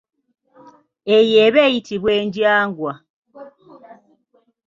Eyo eba eyitibwa enjangwa.